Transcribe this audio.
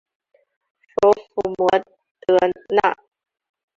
首府摩德纳。